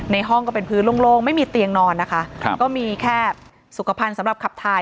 ห้องก็เป็นพื้นโล่งไม่มีเตียงนอนนะคะครับก็มีแค่สุขภัณฑ์สำหรับขับถ่าย